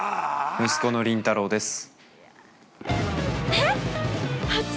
息子の倫太郎です。